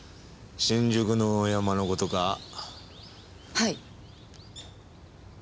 はい。